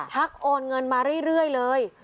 โอนเงินมาเรื่อยเลย